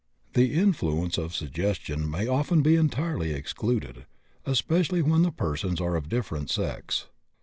The influence of suggestion may often be entirely excluded, especially when the persons are of different sex.